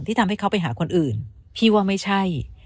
ทำให้เขาไปหาคนอื่นพี่ว่าไม่ใช่